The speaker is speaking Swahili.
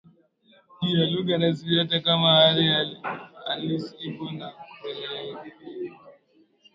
juu ya lugha rasmi hata kama hali halisi ipo na kuelewekan